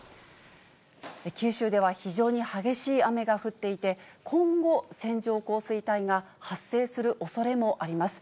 九州では非常に激しい雨が降っていて、今後、線状降水帯が発生するおそれもあります。